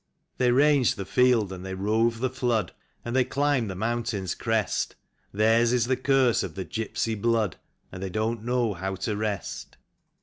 They range the field and they rove the flood, And they climb the mountain's crest; Theirs is the curse of the gipsy blood. And they don't know how to rest.